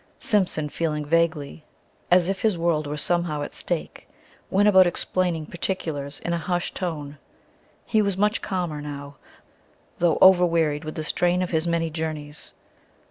Simpson, feeling vaguely as if his world were somehow at stake, went about explaining particulars in a hushed tone. He was much calmer now, though overwearied with the strain of his many journeys.